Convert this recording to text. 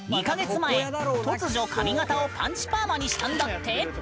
２か月前突如髪形をパンチパーマにしたんだって。